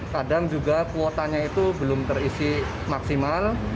kadang juga kuotanya itu belum terisi maksimal